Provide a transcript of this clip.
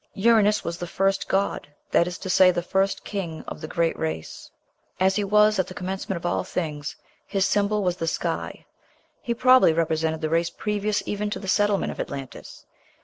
Uranos was the first god; that is to say, the first king of the great race. As he was at the commencement of all things, his symbol was the sky. He probably represented the race previous even to the settlement of Atlantis.